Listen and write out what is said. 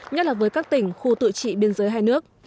nhất là với các tỉnh khu tự trị biên giới hai nước